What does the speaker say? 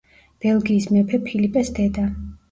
ბელგიის მეფე ფილიპეს დედა.